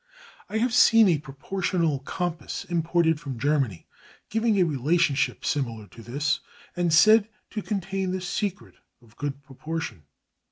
I have seen a proportional compass, imported from Germany, giving a relationship similar to this and said to contain the secret of good proportion.